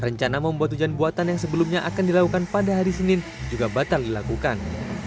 rencana membuat hujan buatan yang sebelumnya akan dilakukan pada hari senin juga batal dilakukan